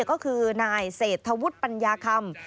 ก็คือนายเศรษฐวุฒิปัญญาคำ